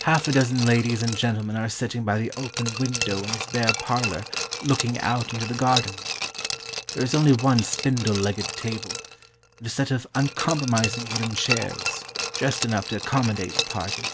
Half a dozen ladies and gentlemen are sitting by the open window in his bare parlour looking out into the garden. There is only one spindle legged table, and a set of uncompromising wooden chairs, just enough to accommodate the party....